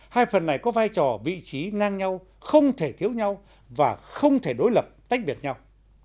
hai phần này có vai trò vị trí ngang nhau không thể thiếu nhau và không thể đối lập tách biệt nhau